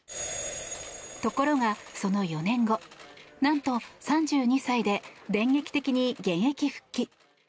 ところがその４年後なんと、３２歳で電撃的に現役復帰。